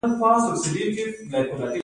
ګذر وکیل د خلکو استازی دی